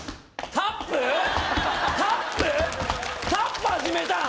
タップ始めたん？